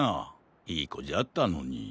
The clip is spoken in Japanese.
いいこじゃったのに。